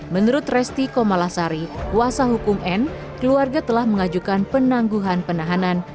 menurut resti komalasari kuasa hukum n keluarga telah mengajukan penangguhan penahanan